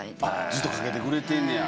ずっとかけてくれてんねや。